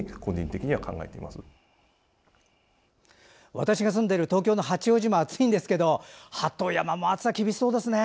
私が住んでる東京の八王子も暑いんですけど鳩山も暑さが厳しそうですね。